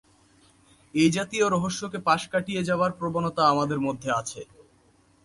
এইজাতীয় রহস্যকে পাশ কাটিয়ে যাবার প্রবণতা আমাদের মধ্যে আছে।